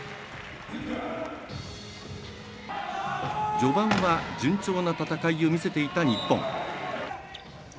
序盤は順調な戦いを見せていた日本。